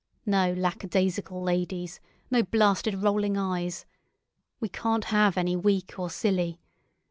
No lackadaisical ladies—no blasted rolling eyes. We can't have any weak or silly.